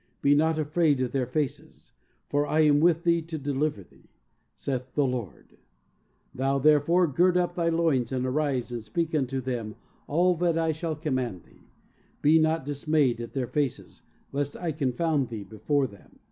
Be not afraid of their faces, for I am with thee to deliver thee," saith the Lord ; "thou therefore gird up thy loins and arise and speak unto them all that I shall command thee. Be not dismayed at their faces lest I confound thee before them."